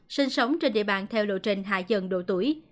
sinh sống trên địa bàn theo lộ trình hạ dần độ tuổi